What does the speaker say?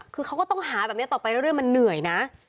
คือเขาก็ต้องหาแบบนี้ต่อไปเรื่อยมันเหนื่อยนะ